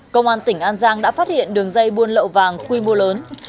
công an tỉnh an giang đã phát hiện đường dây buôn lậu vàng quy mô lớn